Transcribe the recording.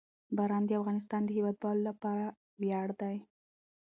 باران د افغانستان د هیوادوالو لپاره ویاړ دی.